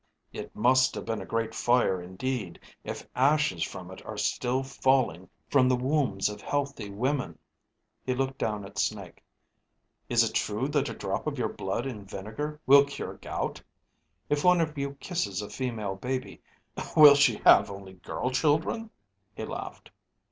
"It must have been a Great Fire indeed if ashes from it are still falling from the wombs of healthy women." He looked down at Snake. "Is it true that a drop of your blood in vinegar will cure gout? If one of you kisses a female baby, will she have only girl children?" He laughed.